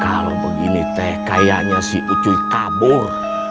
kalau gini teh kayaknya si ucuy kabur